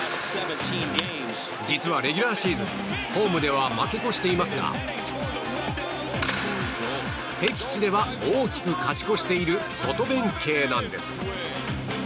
実はレギュラーシーズンホームでは負け越していますが敵地では大きく勝ち越している外弁慶なんです。